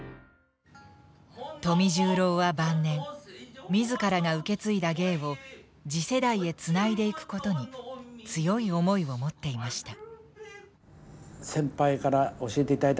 富十郎は晩年自らが受け継いだ芸を次世代へつないでいくことに強い思いを持っていました。